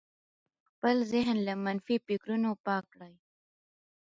خپل ذهن له منفي فکرونو پاک کړئ.